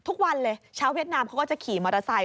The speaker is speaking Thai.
ทุกวันเลยชาวเวียดนามเขาก็จะขี่มอเตอร์ไซค